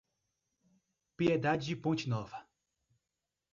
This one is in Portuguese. Piedade de Ponte Nova